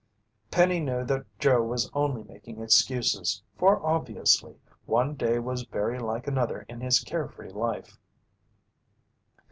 Penny knew that Joe was only making excuses, for obviously, one day was very like another in his care free life.